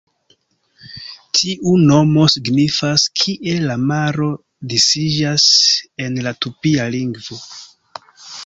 Tiu nomo signifas "Kie la maro disiĝas", en la tupia lingvo.